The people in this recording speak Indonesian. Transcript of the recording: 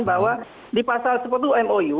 bahwa di pasal sepuluh mou